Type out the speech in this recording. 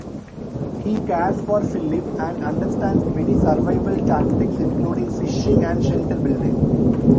He cares for Phillip and understands many survival tactics including fishing and shelter-building.